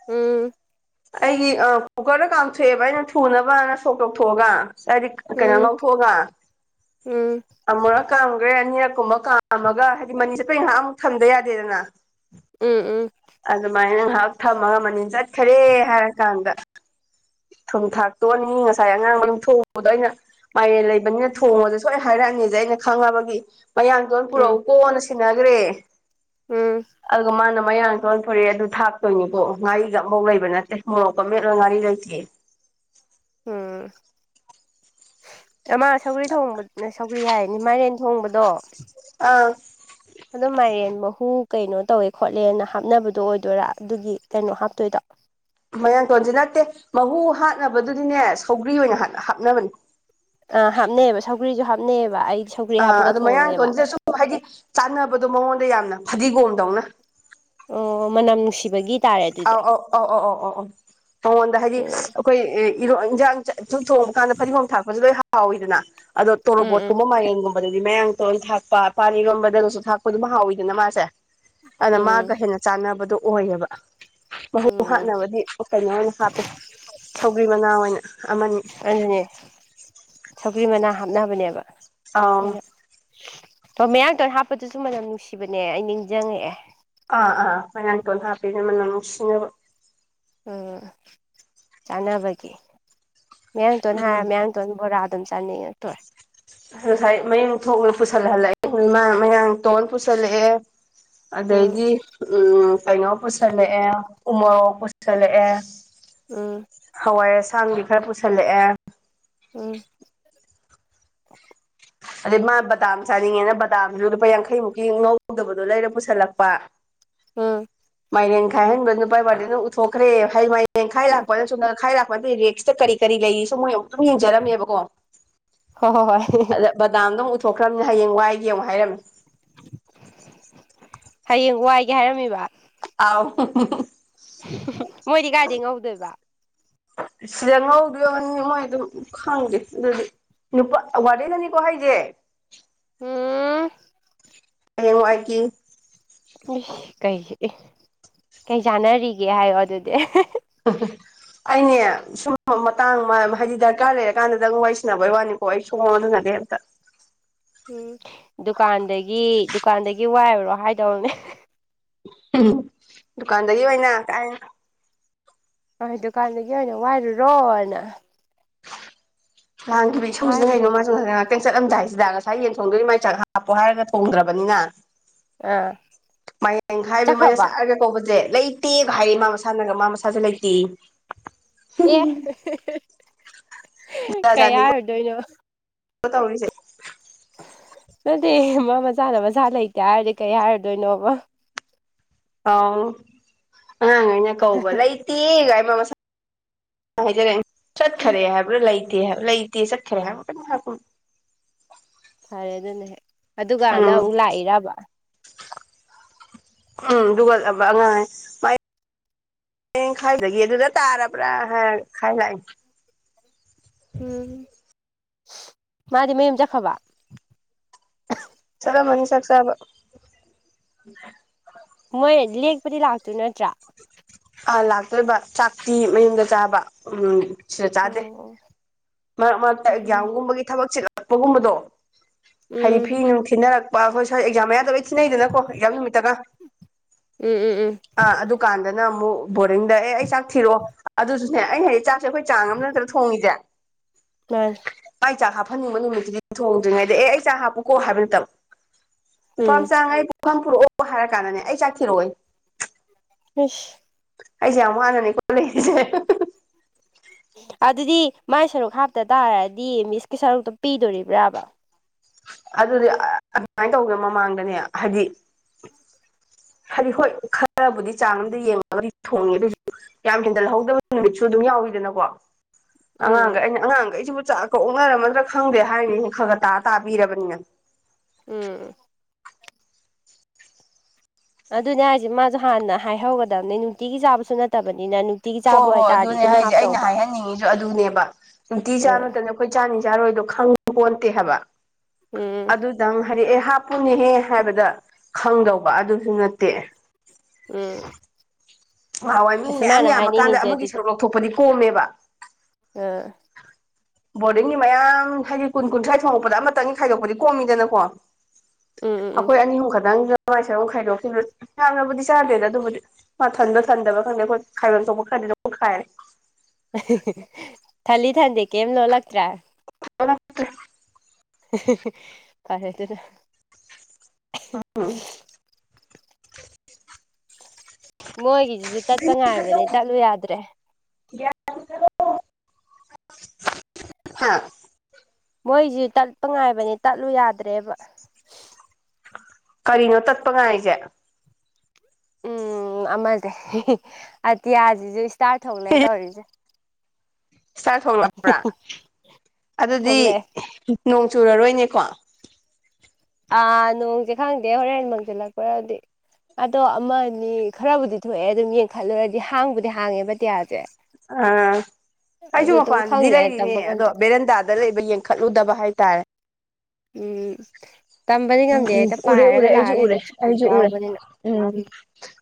ꯎꯡ ꯑꯩꯒꯤ ꯑꯥ ꯀꯨꯀꯔꯗ ꯀꯥꯝꯊꯣꯛꯑꯦꯕ ꯑꯩꯅ ꯊꯨꯅꯕꯅ ꯁꯣꯛ ꯇꯧꯊꯣꯛꯑꯒ ꯍꯥꯏꯗꯤ ꯀꯩꯅꯣ ꯉꯧ ꯍꯣꯒ ꯑꯝ ꯑꯃꯨꯔꯛ ꯀꯥꯝꯒ꯭ꯔꯦ ꯑꯅꯤꯔꯛ ꯀꯨꯝꯕ ꯀꯥꯝꯃꯒ ꯍꯥꯏꯗꯤ ꯃꯅꯤꯟ ꯆꯠꯄꯩ ꯉꯥꯏꯍꯥꯛ ꯑꯃꯨꯛ ꯊꯝꯗ ꯌꯥꯗꯦꯗꯅ ꯑꯝ ꯑꯝ ꯑꯗꯨꯃꯥꯏꯅ ꯉꯥꯏꯍꯥꯛ ꯊꯝꯃꯒ ꯃꯅꯤꯟ ꯆꯠꯈꯔꯦ ꯍꯥꯏꯔ ꯀꯥꯟꯗ ꯊꯨꯝ ꯊꯥꯛꯇꯣꯛꯑꯅꯤ ꯉꯁꯥꯏ ꯑꯉꯥꯡꯕ ꯌꯨꯡꯊꯣꯛ ꯄꯗꯣ ꯑꯩꯅ ꯃꯥꯏꯔꯦꯟ ꯂꯩꯕꯅꯤꯅ ꯊꯣꯡꯉꯣꯁꯦ ꯁꯣꯏꯅ ꯍꯥꯏꯔꯛꯑꯅꯦꯁꯦ ꯑꯩꯅ ꯈꯪꯉꯕꯒꯤ ꯃꯌꯥꯡꯇꯣꯟ ꯎꯝ ꯄꯨꯔꯛꯎꯀꯣꯅ ꯁꯤꯟꯅꯒ꯭ꯔꯦ ꯎꯝ ꯑꯗꯨꯒ ꯃꯥꯅ ꯃꯌꯥꯡ ꯂꯣꯟ ꯐꯔꯦ ꯑꯗꯨ ꯊꯥꯛꯇꯣꯏꯅꯤꯀꯣ ꯉꯥꯔꯤꯒ ꯑꯝꯕꯧ ꯂꯩꯕ ꯅꯠꯇꯦ ꯃꯣꯔꯣꯛꯀ ꯃꯠ ꯂꯣꯏ ꯉꯥꯔꯤ ꯂꯩꯇ꯭ꯔꯤ ꯑꯩ ꯑꯝ ꯅꯥꯃꯥ ꯁꯧꯒ꯭ꯔꯤ ꯊꯣꯡꯕꯅ [unintelligible] ꯀ꯭ꯔꯤ ꯍꯥꯏꯅꯤ ꯃꯥꯏꯔꯦꯟ ꯊꯣꯡꯕꯗꯣ ꯑꯡ ꯑꯗꯣ ꯃꯥꯏꯔꯦꯟ ꯃꯍꯨ ꯀꯩꯅꯣ ꯇꯧꯋꯦ ꯈꯣꯠꯂꯦꯅ ꯍꯥꯞꯅꯕꯗꯣ ꯑꯣꯏꯗꯣꯏꯔꯥ ꯑꯗꯨꯒꯤ ꯀꯩꯅꯣ ꯍꯥꯞꯇꯣꯏꯗꯣ ꯃꯣꯏꯌꯥꯡꯊꯣꯟꯁꯤ ꯅꯠꯇꯦ ꯃꯍꯨ ꯍꯥꯠꯅꯕꯗꯨꯗꯤꯅꯦ ꯁꯧꯒ꯭ꯔꯤ ꯑꯣꯏꯅ ꯍꯥꯞꯅꯕꯅꯦ ꯍꯥꯞꯅꯩ ꯑꯕ ꯁꯧꯒ꯭ꯔꯤꯁꯨ ꯍꯥꯞꯅꯩ ꯑꯕ ꯑꯩꯁꯨ ꯑꯥ ꯑꯗꯨ ꯃꯌꯥꯡꯇꯣꯟꯁꯤꯗ ꯁꯨꯝ ꯍꯥꯏꯗꯤ ꯆꯥꯟꯅꯕꯗꯣ ꯃꯉꯣꯟꯗ ꯌꯥꯝꯅ ꯐꯗꯤꯒꯣꯝꯗꯧꯅ ꯑꯣ ꯃꯅꯝ ꯅꯨꯡꯁꯤꯕꯒꯤ ꯇꯥꯔꯦ ꯑꯗꯨꯗꯤ ꯑꯥꯎ ꯑꯧ ꯑꯥꯎ ꯑꯧ ꯑꯧ ꯑꯧ ꯑꯧ ꯃꯉꯣꯟꯗ ꯍꯥꯏꯗꯤ ꯎꯝ ꯑꯩꯈꯣꯏ ꯏꯟꯖꯥꯡ ꯁꯨꯝ ꯊꯣꯡꯕ ꯀꯥꯟꯗ ꯐꯗꯤꯒꯣꯝ ꯊꯥꯛꯄꯁꯨ ꯂꯣꯏ ꯍꯥꯎꯋꯤꯗꯅ ꯑꯗꯣ ꯇꯣꯔꯣꯕꯣꯠ ꯎꯝ ꯀꯨꯝꯕ ꯃꯥꯏꯔꯦꯟ ꯒꯨꯝꯕꯗ ꯃꯌꯥꯡꯃꯇꯣꯟ ꯊꯥꯛꯄ ꯄꯥꯟ ꯏꯔꯣꯝꯕꯗꯒꯁꯨ ꯊꯥꯛꯄ ꯗꯨꯝ ꯍꯥꯎꯋꯤꯗꯅ ꯃꯥꯁꯦ ꯎꯝ ꯑꯗ ꯃꯥꯒ ꯎꯝ ꯍꯦꯟꯅ ꯆꯥꯟꯅꯕꯗꯣ ꯑꯣꯏꯌꯦꯕ ꯎꯝ ꯃꯍꯨ ꯎꯝ ꯍꯥꯠꯅꯕꯗꯤ ꯎꯇꯣꯡꯉꯥ ꯑꯣꯏꯅ ꯍꯥꯞꯄꯦ ꯁꯧꯒ꯭ꯔꯤ ꯃꯅꯥ ꯑꯣꯏꯅ ꯑꯃꯅꯤ ꯑꯗꯨꯅꯦ ꯁꯧꯒ꯭ꯔꯤ ꯃꯅꯥ ꯍꯥꯞꯅꯕꯅꯦꯕ ꯑꯧ ꯑꯣ ꯃꯌꯥꯡꯇꯣꯟ ꯍꯥꯞꯄꯗꯨꯁꯨ ꯃꯅꯝ ꯅꯨꯡꯁꯤꯕꯅꯦ ꯑꯩ ꯅꯤꯡꯖꯡꯉꯛꯑꯦ ꯑꯥ ꯑꯥ ꯃꯌꯥꯡꯃꯇꯣꯟ ꯍꯥꯞꯄꯤꯖꯤꯅ ꯃꯅꯝ ꯅꯨꯡꯁꯤ ꯎꯡ ꯆꯥꯅꯕꯒꯤ ꯃꯌꯥꯡꯇꯣꯟ ꯎꯝ ꯍꯥꯏꯔꯒ ꯃꯌꯥꯡ ꯇꯣꯟ ꯕꯣꯔꯥꯗꯨꯝ ꯆꯥꯅꯤꯡꯉꯛ ꯇꯣꯏꯔꯦ꯫ ꯉꯁꯥꯏ ꯃꯌꯨꯝ ꯊꯣꯛꯎ ꯄꯨꯁꯜꯍꯜꯂꯛꯑꯦ ꯃꯥ ꯃꯌꯥꯡꯇꯣꯟ ꯄꯨꯁꯜꯂꯛꯑꯦ ꯎꯝ ꯑꯗꯩꯗꯤ ꯎꯝ ꯀꯩꯅꯣ ꯄꯨꯁꯜꯂꯛꯑꯦ ꯎꯃꯣꯔꯣꯛ ꯄꯨꯁꯜꯂꯛꯑꯦ ꯎꯝ ꯍꯋꯥꯏ ꯑꯁꯥꯡꯕꯤ ꯈꯔ ꯄꯨꯁꯜꯂꯛꯑꯦ ꯎꯝ ꯑꯗꯩ ꯃꯥ ꯕꯗꯥꯝ ꯆꯥꯅꯤꯡꯉꯦꯅ ꯕꯗꯥꯝꯁꯨ ꯂꯨꯄꯥ ꯌꯥꯡꯈꯩꯃꯨꯛꯀꯤ ꯉꯧꯗꯕꯗꯣ ꯂꯩꯔ ꯄꯨꯁꯜꯂꯛꯄ ꯎꯝ ꯃꯥꯏꯔꯦꯟ ꯈꯥꯏꯍꯟꯕ ꯅꯨꯄꯥꯥ ꯋꯥꯔꯗꯦꯟꯗꯨꯅ ꯎꯠꯊꯣꯛꯈ꯭ꯔꯦ ꯍꯩ ꯃꯔꯦꯟꯈꯥꯏ ꯎꯝ ꯂꯥꯛꯄꯗ ꯆꯨꯝꯅ ꯈꯥꯏ ꯂꯥꯛꯄ ꯔꯦꯛꯁꯤꯗ ꯀꯔꯤ ꯀꯔꯤ ꯂꯩꯔꯤ ꯁꯦ ꯃꯣꯏ ꯑꯃꯨꯛꯇꯝ ꯌꯦꯡꯖꯔꯝꯃꯦꯕꯀꯣ ꯍꯣ ꯍꯣ ꯍꯣꯏ ꯕꯗꯥꯝꯗꯣ ꯑꯃꯨꯛ ꯎꯠꯊꯣꯛꯈ꯭ꯔꯕꯅꯤꯅ ꯍꯌꯦꯡ ꯋꯥꯏꯒꯦ ꯑꯃꯨꯛ ꯍꯥꯏꯔꯝꯃꯦ ꯍꯌꯦꯡ ꯋꯥꯏꯒꯦ ꯍꯥꯏꯔꯝꯃꯤꯕ ꯑꯥꯎ ꯃꯣꯏꯗꯤ ꯀꯥꯏꯗꯩ ꯉꯧꯗꯣꯏꯕ ꯁꯤꯗ ꯉꯧꯗꯨꯏ ꯑꯣꯏꯅꯤ ꯃꯣꯏ ꯑꯗꯨ ꯈꯪꯗꯦ ꯑꯗꯨꯗꯤ ꯅꯨꯄꯥ ꯋꯥꯔꯗꯦꯟꯅꯅꯤꯀꯣ ꯍꯥꯏꯁꯦ ꯎꯝ ꯍꯌꯦꯡꯋꯥꯏꯒꯤ ꯀꯩꯒꯤ ꯑꯦ ꯀꯩ ꯆꯥꯟꯅꯔꯤꯒꯦ ꯍꯥꯏꯌꯣ ꯑꯗꯨꯗꯤ ꯑꯩꯅꯦ ꯁꯨꯝꯕ ꯃꯇꯥꯡ ꯍꯥꯏꯗꯤ ꯗꯔꯀꯥꯔ ꯂꯩꯔ ꯀꯥꯟꯗꯗꯪ ꯋꯥꯔꯤꯁꯥꯟꯅꯕꯩ ꯋꯥꯅꯤꯀꯣ ꯑꯩ ꯁꯨꯡꯑꯣꯟ ꯑꯣꯟꯖꯤꯟꯅꯗꯦ ꯑꯝꯇ ꯎꯝ ꯗꯨꯀꯥꯟꯗꯒꯤ ꯗꯨꯀꯥꯟꯗꯒꯤ ꯋꯥꯏꯔꯨꯔꯣ ꯍꯥꯏꯗꯧꯅꯦ ꯗꯨꯀꯥꯟꯗꯒꯤ ꯑꯣꯏꯅ ꯀꯥꯏ ꯍꯣꯏ ꯗꯨꯀꯥꯟꯗꯒꯤ ꯑꯣꯏꯅ ꯋꯥꯏꯔꯨꯔꯣꯅ ꯂꯥꯡꯈꯤꯕ ꯏꯁꯧꯁꯤꯅ ꯀꯩꯅꯣ ꯍꯥꯏꯒꯗꯕꯅꯦ ꯃꯥꯁꯨ ꯆꯠꯂꯝꯗꯥꯏꯁꯤꯗ ꯉꯁꯥꯏ ꯌꯦꯟ ꯊꯣꯡꯗꯨꯏꯅꯤ ꯃꯥꯏ ꯆꯥꯛ ꯍꯥꯞꯄꯣ ꯍꯥꯏꯔꯒ ꯊꯣꯡꯗ꯭ꯔꯕꯅꯤꯅ ꯑꯥ ꯃꯥꯏꯌꯦꯟ ꯈꯥꯏꯕ ꯃꯣꯏꯅ ꯆꯠꯈ꯭ꯔꯕꯣ ꯁꯥꯔꯒ ꯀꯧꯕꯁꯦ ꯂꯩꯇꯦꯒ ꯎꯝ ꯍꯥꯏꯔꯤ ꯃꯥꯁ ꯃꯁꯥꯟꯅꯒ ꯃꯥ ꯃꯁꯥꯁꯦ ꯂꯩꯇꯦꯌꯦ ꯑꯦ ꯀꯩ ꯍꯥꯔꯨꯗꯣꯏꯅꯣ [unintelligible] ꯇꯧꯔꯤꯖꯦ ꯅꯠꯇꯦ ꯃꯥ ꯃꯁꯥꯅ ꯃꯁꯥ ꯂꯩꯇꯦ ꯍꯥꯏꯔꯤꯁꯦ ꯀꯩ ꯍꯥꯏꯔꯨꯗꯣꯏꯅꯣꯕ ꯑꯥꯎ ꯑꯉꯥꯡ ꯈꯩꯅ ꯀꯧꯕ ꯂꯩ ꯇꯦ ꯒꯥꯏꯅ ꯃꯁꯥ ꯍꯥꯏꯖꯔꯛꯑꯦ ꯎꯝ ꯆꯠꯈꯔꯦ ꯍꯥꯏꯕ꯭ꯔꯥ ꯂꯩꯇꯦ ꯂꯩꯇꯦ ꯆꯠꯈꯔꯦ ꯍꯥꯏꯕꯔ ꯀꯩꯅꯣꯝ ꯍꯥꯏꯔꯛꯄꯅꯤ ꯐꯔꯦ ꯑꯗꯨꯅꯍꯦꯛ ꯑꯗꯨꯒ ꯎꯝ ꯅꯪ ꯑꯃꯨꯛ ꯂꯥꯛꯏꯔꯕ ꯎꯝ ꯑꯗꯨꯒꯂꯕ ꯑꯉꯥꯡ ꯃꯥꯏ [unintelligible] ꯈꯥꯏꯗꯒꯤ ꯑꯗꯨꯗ ꯇꯥꯔꯕ꯭ꯔꯥ ꯍꯥꯏ ꯈꯥꯏ ꯂꯥꯛꯑꯏ ꯎꯝ ꯃꯥꯗꯤ ꯃꯌꯨꯝ ꯆꯠꯈꯔꯕ ꯆꯠꯂꯝꯃꯅꯤ ꯆꯥꯛ ꯆꯥꯕ ꯃꯣꯏ ꯂꯦꯛꯄꯗꯤ ꯂꯥꯛꯇꯣꯏ ꯅꯠꯇ꯭ꯔꯥ ꯑ ꯂꯥꯛꯇꯣꯏꯕ ꯆꯥꯛꯇꯤ ꯃꯌꯨꯝꯗ ꯆꯥꯕ ꯎꯝ ꯁꯤꯗ ꯆꯥꯗꯦ ꯑꯣ ꯃꯔꯛ ꯃꯔꯛꯇ ꯎꯝ ꯎꯝ ꯑꯦꯛꯖꯥꯝꯒꯨꯝꯕꯒꯤ ꯊꯕꯛ ꯆꯤꯛꯂꯛꯄ ꯒꯨꯝꯕꯗꯣ ꯍꯥꯏꯗꯤ ꯎꯝ ꯐꯤ ꯅꯨꯡ ꯊꯤꯅꯔꯛ ꯑ ꯑꯩꯈꯣꯏ ꯁꯋꯥꯏ ꯑꯦꯛꯖꯥꯝ ꯃꯌꯥꯗ ꯂꯣꯏꯅ ꯊꯤꯟꯅꯩꯗꯅꯀꯣ ꯑꯦꯛꯖꯥꯝ ꯅꯨꯃꯤꯠꯇꯒ ꯎꯝ ꯎꯝ ꯑꯥ ꯑꯗꯨꯀꯥꯟꯗꯅ ꯑꯃꯨꯛ ꯕꯣꯔꯔꯤꯡꯗ ꯑꯦ ꯑꯩ ꯆꯥꯛ ꯊꯤꯔꯛꯑꯣ ꯑꯗꯨꯁꯨꯅꯦ ꯑꯩ ꯍꯥꯏꯗꯤ ꯆꯥꯛ ꯑꯩꯈꯣꯏ ꯆꯥꯡ ꯑꯃ ꯅꯠꯇ꯭ꯔ ꯊꯣꯡꯉꯤꯁꯦ ꯀꯩ ꯃꯥ ꯆꯥꯛ ꯍꯥꯞꯍꯟꯅꯤꯡꯕ ꯅꯨꯃꯤꯠꯇꯨꯗꯤ ꯊꯣꯡꯗ꯭ꯔꯤꯉꯩꯗ ꯑꯦ ꯑꯩ ꯆꯥꯛ ꯍꯥꯞꯄꯨꯀꯣ ꯍꯥꯏꯕ ꯅꯠꯇꯕ ꯅꯨꯄꯥ ꯎꯝ ꯃꯆꯥꯉꯩ ꯄꯨꯡꯐꯝ ꯄꯨꯔꯛꯑꯣ ꯍꯥꯏꯔ ꯀꯥꯟꯗꯅꯦ ꯑꯩ ꯆꯥ ꯊꯤꯔꯛꯑꯣꯏꯌꯦ ꯏꯁ ꯑꯩꯖꯦ ꯌꯥꯝ ꯋꯥꯅꯅꯦꯀꯣ ꯂꯩꯔꯤꯁꯦ ꯑꯗꯨꯗꯤ ꯃꯥꯏ ꯁꯔꯨꯛ ꯍꯥꯞꯇ ꯇꯥꯔꯗꯤ ꯃꯤꯁꯀꯤ ꯁꯔꯨꯛꯇꯣ ꯄꯤꯗꯧꯔꯤꯕ꯭ꯔꯥꯕ ꯑꯗꯨꯗꯤ ꯑꯗꯨꯃꯥꯏꯅ ꯇꯧꯗꯅ ꯃꯃꯥꯡꯗꯅꯦ ꯍꯥꯏꯗꯤ ꯍꯥꯏꯗꯤ ꯍꯣꯏ ꯈꯔꯕꯨꯗꯤ ꯆꯥꯡ ꯑꯝꯗ ꯌꯦꯡꯉꯒꯗꯤ ꯊꯣꯡꯉꯦ ꯑꯗꯣꯏꯁꯨ ꯌꯥꯝ ꯍꯦꯟꯖꯜꯍꯧꯗꯕ ꯅꯨꯃꯤꯠꯁꯨ ꯑꯗꯨꯝ ꯌꯥꯎꯋꯤꯗꯅꯀꯣ ꯑꯉꯥꯡꯒꯩ ꯎꯝ ꯑꯩꯅ ꯑꯉꯥꯡꯈꯩꯁꯤꯕꯨ ꯆꯥꯛ ꯑꯣꯛꯅꯔꯝꯃꯗ꯭ꯔꯥ ꯈꯪꯗꯦ ꯍꯥꯏꯔꯤꯅꯤ ꯈꯔ ꯈꯔ ꯇꯇꯥ ꯄꯤꯔꯕꯅꯤꯅ ꯎꯝ ꯑꯗꯨꯅꯦ ꯍꯥꯏꯁꯦ ꯃꯥꯁꯨ ꯍꯥꯟꯅ ꯍꯥꯏꯍꯧꯒꯗꯕꯅꯦ ꯅꯨꯡꯇꯤꯒꯤ ꯆꯥꯕꯁꯨ ꯅꯠꯇꯕꯅꯤꯅ ꯅꯨꯡꯇꯤꯒꯤ ꯍꯣ ꯆꯥꯕ ꯍꯣꯏ ꯑꯣꯏꯇꯥꯔꯗꯤ ꯑꯗꯨꯅꯦ ꯑꯗꯨꯝ ꯍꯥꯏꯖꯦ ꯑꯩꯅ ꯍꯥꯞꯇꯧꯕ ꯍꯥꯏꯍꯟꯅꯤꯡꯉꯤꯁꯨ ꯑꯗꯨꯅꯦꯕ ꯅꯨꯡꯇꯤ ꯆꯥꯕ ꯑ ꯅꯠꯇꯕꯅꯤꯅ ꯑꯩꯈꯣꯏ ꯆꯥꯅꯤ ꯆꯥꯔꯣꯏꯗꯣ ꯈꯪꯕ ꯄꯣꯟꯇꯦ ꯍꯥꯏꯕ ꯎꯝ ꯑꯗꯨ ꯅꯪ ꯍꯥꯏꯔꯛ ꯑꯦ ꯍꯥꯞꯄꯨꯅꯦꯍꯦ ꯍꯥꯏꯕꯗ ꯈꯪꯗꯧꯕ ꯑꯗꯨꯁꯨ ꯅꯠꯇꯦ ꯎꯝ ꯉꯥꯍꯥꯟꯋꯥꯏ ꯃꯤ ꯑꯁ ꯃꯌꯥꯝ ꯃꯥꯅ ꯌꯥꯝꯃꯀꯥꯟꯗ ꯍꯥꯏꯅꯤꯡꯉꯤꯁꯦ ꯑꯃꯒꯤ ꯁꯔꯨꯛ ꯂꯧꯊꯣꯛꯄꯗꯤ ꯀꯣꯝꯃꯦꯕ ꯑꯥ ꯕꯣꯔꯗꯤꯡꯒꯤ ꯃꯌꯥꯝ ꯍꯥꯏꯗꯤ ꯀꯨꯟ ꯀꯨꯟꯊ꯭ꯔꯥ ꯊꯣꯡꯉꯛꯄꯗ ꯑꯃꯇꯪ ꯈꯥꯏꯗꯣꯛꯄꯗꯤ ꯀꯣꯝꯃꯤꯗꯅꯀꯣ ꯎꯝ ꯎꯝ ꯎꯝ ꯑꯩꯈꯣꯏ ꯑꯅꯤ ꯑꯍꯨꯝ ꯈꯛꯇꯪꯗꯨꯗ ꯃꯥꯏ ꯁꯔꯨꯝ ꯈꯥꯏꯗꯣꯛꯁꯤ ꯌꯥꯝꯅꯕꯨꯗꯤ ꯆꯥꯗꯦꯗ ꯑꯗꯨꯕꯨꯗꯤ ꯃꯥ ꯊꯟꯕ꯭ꯔꯥ ꯊꯟꯗꯕ꯭ꯔꯥꯗꯤ ꯈꯪꯗꯦ ꯑꯩꯈꯣꯏ ꯈꯥꯏꯕꯝ ꯊꯣꯛꯄ ꯈꯔꯗꯤ ꯑꯗꯨꯝ ꯈꯥꯏꯔꯦ ꯊꯂꯤ ꯊꯟꯗꯦ ꯀꯩꯝ ꯂꯣꯜꯂꯛꯇ꯭ꯔꯦ [unintelligible] ꯐꯥꯔꯦ ꯑꯗꯨꯅ [unintelligible] ꯃꯣꯏꯒꯤꯁꯤꯁꯨ ꯇꯠꯄ ꯉꯥꯏꯕꯅꯦ ꯇꯠꯂꯨ ꯌꯥꯗ꯭ꯔꯦ [unintelligible] ꯃꯣꯏꯖꯤ ꯇꯠꯄ ꯉꯥꯏꯕꯅꯦ ꯇꯠꯂꯨ ꯌꯥꯗ꯭ꯔꯦꯕ ꯀꯔꯤꯅꯣ ꯇꯠꯄ ꯉꯥꯏꯔꯤꯖꯦ ꯎꯝ ꯑꯃꯖꯦ ꯑꯇꯤꯌꯥꯖꯤꯖꯨ ꯏꯁꯇꯥꯔ ꯊꯣꯛꯂꯦ ꯇꯧꯔꯤꯖꯦ ꯏꯁꯇꯥꯔ ꯊꯣꯛꯣꯂꯛꯄ꯭ꯔꯥ ꯑꯗꯨꯗꯤ ꯊꯣꯛꯂꯛꯑꯦ ꯅꯣꯡ ꯆꯨꯨꯔꯔꯣꯏꯅꯦꯀꯣ ꯑꯥ ꯅꯣꯡꯁꯦ ꯈꯪꯗꯦ ꯍꯣꯔꯦꯟ ꯃꯪꯁꯤꯜꯂꯛꯄ꯭ꯔꯗꯤ ꯑꯗꯣ ꯑꯃ ꯑꯅꯤ ꯈꯔꯕꯨꯗꯤ ꯊꯣꯛꯑꯦ ꯑꯗꯨꯝ ꯌꯦꯡꯈꯠꯂꯨꯔꯗꯤ ꯍꯥꯡꯕꯨꯗꯤ ꯍꯥꯡꯉꯦꯕ ꯑꯇꯤꯌꯥꯖꯦ ꯑꯥ ꯑꯩꯖꯨ ꯃꯄꯥꯟꯗꯗꯤ ꯈꯪꯗꯦ ꯂꯩꯔꯤꯅꯦ ꯇꯝꯕ ꯑꯗꯣ ꯉꯝꯗꯦ ꯕꯦꯔꯦꯟꯗ ꯗ ꯂꯩꯕ ꯌꯦꯡꯈꯠꯂꯨꯗꯕ ꯍꯥꯏꯇꯥꯔꯦ ꯎꯝ ꯇꯝꯕꯗꯤ ꯉꯝꯗꯦ ꯍꯦꯛꯇ ꯄꯥꯏꯔꯒ ꯂꯥꯛꯑꯒ ꯍꯦꯛꯇ ꯆꯨꯕꯁꯨ ꯑꯩꯁꯨ ꯎꯔꯦ ꯌꯥꯎꯕꯅꯤꯅ ꯎꯝ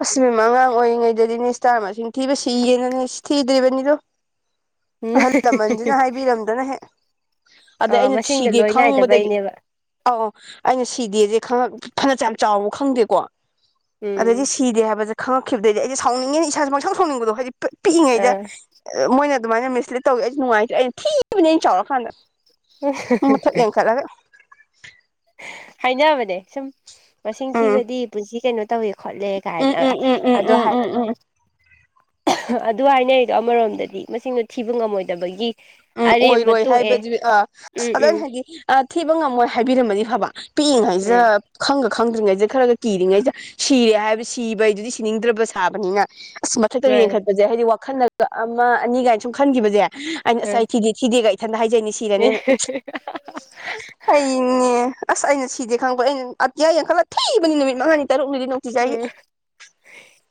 ꯑꯁꯤ ꯏꯕꯦꯝꯃꯥ ꯑꯉꯥꯡ ꯑꯣꯏꯔꯤꯉꯩꯗꯗꯤꯅꯦ ꯏꯁꯇꯥꯔ ꯃꯁꯤꯡ ꯊꯤꯕꯁꯤ ꯏꯌꯦꯅꯅꯦ ꯁꯤ ꯊꯤꯗ꯭ꯔꯤꯕꯅꯤꯗꯣ ꯑꯍꯜ ꯂꯃꯟꯁꯤꯅ ꯍꯥꯏꯕꯤꯔꯝꯗꯅꯍꯦꯛ ꯑꯗꯩ ꯑ ꯑꯩꯅ ꯃꯁꯤꯡꯗꯣ ꯁꯤꯗꯦ ꯂꯣꯏ ꯈꯪꯕꯗꯒꯤ ꯅꯥꯏꯗꯕꯩꯅꯦꯕ ꯑꯧ ꯑꯩꯅ ꯁꯤꯗꯦꯁꯦ ꯈꯪꯉꯛ ꯐꯅꯌꯥꯝ ꯆꯥꯎꯕ ꯈꯪꯗꯦꯀꯣ ꯑꯗꯩꯗꯤ ꯎꯝ ꯁꯤꯗꯦ ꯍꯥꯏꯕꯁꯦ ꯈꯪꯉꯛꯈꯤꯕꯗꯒꯤꯩꯗꯤ ꯑꯩꯁꯦ ꯁꯥꯎꯅꯤꯡꯉꯦꯅꯦ ꯏꯁꯥꯥꯁꯦ ꯄꯪꯁꯥꯎ ꯁꯥꯎꯅꯤꯡꯕꯗꯣ ꯍꯥꯏꯗꯤ ꯄꯤꯛꯏꯉꯩꯗ ꯑꯥ ꯃꯣꯏꯅ ꯑꯗꯨꯃꯥꯏꯅ ꯃꯤꯁꯂꯦꯠ ꯇꯧꯋ ꯑꯩꯁꯨ ꯅꯨꯡꯉꯥꯏꯇ꯭ꯔꯦ ꯑꯩꯅ ꯊꯤꯕꯅꯦ ꯑꯩꯅ ꯆꯥꯎꯔꯀꯥꯟꯗ ꯃꯊꯛ [unintelligible] ꯌꯦꯡꯈꯠꯂꯒ ꯍꯥꯏꯅꯕꯅꯦ ꯁꯨꯝ ꯃꯁꯤꯡ ꯎꯝ ꯊꯤꯕꯗꯤ ꯄꯨꯟꯁꯤ ꯀꯩꯅꯣ ꯇꯧꯋꯦ ꯈꯣꯠꯂꯦ ꯎꯝ ꯒꯥꯏꯅꯒ ꯎꯝ ꯎꯝ ꯎꯝ ꯑꯗꯣ ꯎꯝ ꯍꯥꯏ ꯎꯝ ꯎꯝ ꯑꯗꯨ ꯍꯥꯏꯅꯔꯤꯗꯣ ꯑꯃꯔꯣꯝꯗꯗꯤ ꯃꯁꯤꯡꯗꯣ ꯊꯤꯕ ꯉꯝꯃꯣꯏꯗꯕꯒꯤ ꯎꯝ ꯑꯔꯦꯝꯕ ꯑꯣꯏꯔꯣꯏ ꯇꯣꯛꯑꯦ ꯍꯥꯏꯕꯗꯤ ꯑ ꯎꯝ ꯎꯝ ꯑꯗꯨꯅ ꯍꯥꯏꯗꯤ ꯊꯤꯕ ꯉꯝꯃꯣꯏ ꯍꯥꯏꯕꯤꯔꯝꯃꯗꯤ ꯐꯕ ꯎꯝ ꯄꯤꯛꯏꯉꯩꯖꯤꯗ ꯈꯪꯒ ꯈꯪꯗ꯭ꯔꯤꯉꯩꯖꯤꯗ ꯈꯔꯒ ꯀꯤꯔꯤꯉꯩꯖꯤꯗ ꯁꯤꯔꯦ ꯍꯥꯏꯕ ꯁꯤꯕ ꯍꯥꯢꯗꯨꯗꯤ ꯁꯤꯅꯤꯡꯗ꯭ꯔꯕ ꯁꯥꯕꯅꯤꯅ ꯑꯁ ꯃꯊꯛꯇ ꯃꯥꯅꯦ ꯌꯦꯡꯈꯠꯄꯁꯦ ꯍꯥꯏꯗꯤ ꯋꯥꯈꯜꯅꯒ ꯑꯃ ꯑꯅꯤꯒꯥꯏꯅ ꯁꯨꯝ ꯈꯟꯈꯤꯕꯁꯦ ꯑꯩꯅ ꯑꯥ ꯉꯁꯥꯏ ꯊꯤꯗꯤ ꯊꯤꯗꯦꯒ ꯏꯊꯟꯇ ꯍꯥꯏꯖꯩꯅꯤ ꯁꯤꯔꯅꯦꯅ ꯑꯩꯅꯦ ꯑꯁ ꯑꯩꯅ ꯁꯤꯗꯦ ꯈꯪꯕ ꯑꯩꯅ ꯑꯇꯤꯌꯥ ꯌꯦꯡ ꯈꯠꯂꯒ ꯊꯤꯕꯅꯤ ꯅꯨꯃꯤꯠ ꯃꯉꯥꯅꯤ ꯇꯔꯨꯛꯅꯤꯗꯤꯅꯣ ꯎꯝ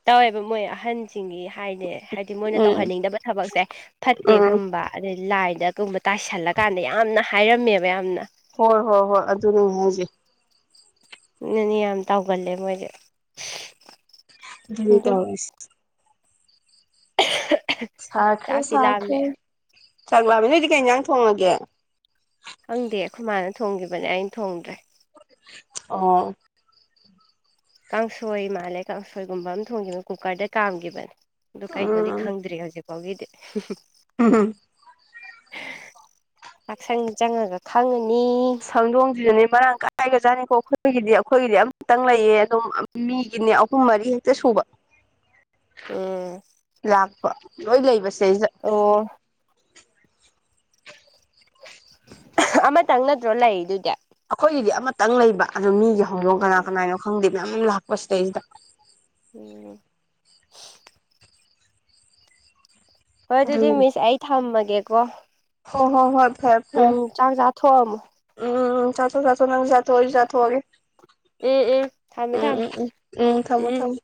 ꯇꯧꯋꯦꯕ ꯃꯣꯏ ꯑꯍꯟꯁꯤꯡꯒꯤ ꯍꯥꯏꯅꯦ ꯍꯥꯏꯗꯤ ꯃꯣꯏꯅ ꯎꯝ ꯇꯧꯍꯟꯅꯤꯡꯗꯕ ꯊꯕꯛꯁꯦ ꯎꯝ ꯐꯠꯇꯦꯒꯨꯝꯕ ꯑꯗꯩ ꯂꯥꯏꯗꯒꯨꯝꯕ ꯇꯥꯏꯁꯜꯂꯀꯥꯟꯗ ꯌꯥꯝꯅ ꯍꯥꯏꯔꯝꯃꯦꯕ ꯌꯥꯝꯅ ꯍꯣꯏ ꯍꯣꯏ ꯍꯣꯏ ꯑꯗꯨꯅꯦ ꯑꯩꯅ ꯍꯥꯢꯖꯦ ꯅꯅꯦ ꯌꯥꯝ ꯇꯥꯎꯒꯜꯂꯦ ꯃꯣꯏꯖꯦ ꯑꯗꯨꯅꯦ ꯇꯧꯏꯁꯦ [inaudible] ꯁꯥꯈ꯭ꯔꯦ ꯆꯥꯛꯇꯤ ꯁꯥꯈ꯭ꯔꯦ ꯂꯥꯝꯃꯦ ꯆꯥꯛ ꯂꯥꯛꯃꯦ ꯅꯣꯏꯗꯤ ꯀꯩ ꯏꯟꯖꯥꯡ ꯊꯣꯡꯉꯒꯦ ꯈꯪꯗꯦ ꯑꯩꯈꯣꯏ ꯃꯥꯅ ꯊꯣꯡꯒꯤꯕꯅꯦ ꯑꯩꯅ ꯊꯣꯡꯗ꯭ꯔꯦ ꯑꯣ ꯀꯥꯡꯁꯣꯏ ꯃꯥꯜꯂꯦ ꯀꯥꯡꯁꯣꯏꯒꯨꯝꯕ ꯑꯃ ꯊꯣꯡꯈꯤꯕ ꯀꯨꯀꯔꯗ ꯀꯥꯝꯒꯤꯕꯅꯦ ꯑꯗꯨ ꯀꯩꯅꯣꯗꯤ ꯎꯝ ꯈꯪꯗ꯭ꯔꯤ ꯍꯧꯖꯤꯛꯐꯥꯎꯒꯤꯗꯤ ꯎꯝꯝ ꯆꯥꯛꯁꯪ ꯆꯪꯉꯒ ꯈꯪꯉꯅꯤ ꯈꯪꯗꯣꯡꯖꯤꯗꯅꯤ ꯃꯔꯥꯡ ꯀꯥꯏꯒꯔ ꯖꯥꯠꯅꯤꯀꯣ ꯑꯩꯈꯣꯏꯒꯤꯗꯤ ꯑꯩꯈꯣꯏꯒꯤꯗꯤ ꯑꯃꯇꯪ ꯂꯩꯌꯦ ꯑꯗꯨꯝ ꯃꯤꯒꯤꯅꯦ ꯑꯍꯨꯝ ꯃꯔꯤ ꯍꯦꯛꯇ ꯁꯨꯕ ꯎꯝ ꯂꯥꯛꯄ ꯂꯣꯏ ꯂꯩꯕ ꯁꯤꯗꯩꯖꯤꯗ ꯑꯣ ꯑꯃꯇꯪ ꯅꯠꯇ꯭ꯔꯣ ꯂꯩꯔꯤꯗꯨꯗꯤ ꯑꯩꯈꯣꯏꯒꯤꯗꯤ ꯑꯃꯇꯪ ꯂꯩꯕ ꯑꯗꯨ ꯃꯤꯒꯤ ꯍꯧꯗꯣꯡ ꯎꯝ ꯀꯅꯥ ꯀꯅꯥꯢꯅꯣ ꯈꯪꯗꯦ ꯃꯌꯥꯝ ꯑꯃ ꯂꯥꯛꯄ ꯁꯤꯗꯩꯁꯤꯗ ꯎꯝ ꯍꯣꯏ ꯑꯗꯨꯗꯤ ꯃꯤꯁ ꯑꯩ ꯊꯝꯃꯒꯦꯀꯣ ꯍ ꯍꯣ ꯍꯣꯏ ꯐꯦ ꯎꯝ ꯆꯥꯛ ꯆꯥ ꯊꯣꯛ ꯑꯝꯃꯣ ꯎꯝ ꯆꯠꯊꯣ ꯆꯊꯣ ꯅꯪꯖꯨ ꯆꯥꯊꯣꯛꯑꯒꯦ ꯎꯝ ꯎꯝ ꯊꯝꯃꯦ ꯎꯝ ꯊꯝꯃꯦ ꯎꯝ ꯎꯝ ꯎꯝ ꯊꯝꯃꯣ ꯊꯝꯃꯣ